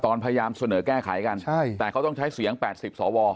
พยายามเสนอแก้ไขกันใช่แต่เขาต้องใช้เสียง๘๐สว